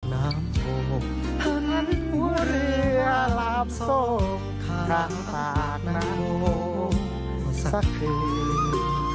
น้ำโภคพันธุ์หัวเรือลาบโศกทางปากน้ำโภคสักคืน